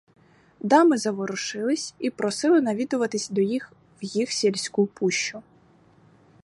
Дами заворушились і просили навідуватись до їх в їх сільську пущу.